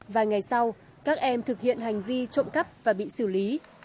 vài ngày sau các em thực hiện hành vi trộm cắp và bị xử lý